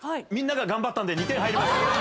みんなが頑張ったんで２点入りました。